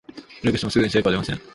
努力してもすぐに成果は出ません